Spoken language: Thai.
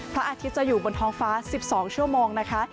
พระอาทิตย์จะอยู่บนท้องฟ้า๑๒ชั่วโมงนะคะ